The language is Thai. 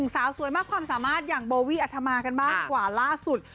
สาวสวยมากความสามารถอย่างโบวี่อัธมากันบ้างกว่าล่าสุด